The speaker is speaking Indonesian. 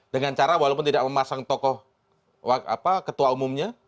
dengan cara walaupun tidak memasang tokoh ketua umumnya